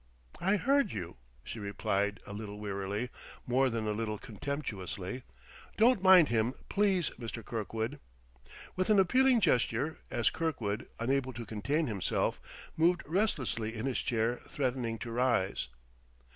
"I heard you," she replied a little wearily, more than a little contemptuously. "Don't mind him, please, Mr. Kirkwood!" with an appealing gesture, as Kirkwood, unable to contain himself, moved restlessly in his chair, threatening to rise.